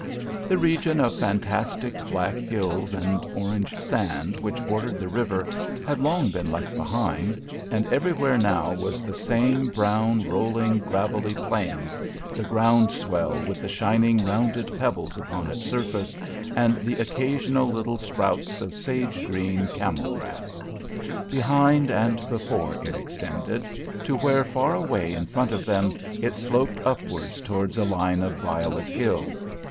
The region of fantastic black hills and orange sand which bordered the river had long been left behind, and everywhere now was the same brown, rolling, gravelly plain, the ground swell with the shining rounded pebbles upon its surface, and the occasional little sprouts of sage green camel grass. Behind and before it extended, to where far away in front of them it sloped upwards towards a line of violet hills.